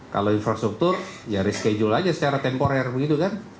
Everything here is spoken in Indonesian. kalau infrastruktur ya reschedule aja secara temporer begitu kan